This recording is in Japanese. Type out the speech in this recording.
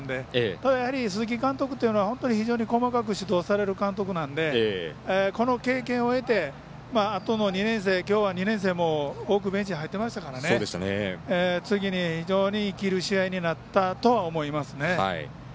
ただ、鈴木監督というのは本当に非常に細かく指導される監督なのでこの経験を得て、あとの２年生きょうは２年生も多くベンチ入ってましたから次に非常に生きる試合になったとは思いますね。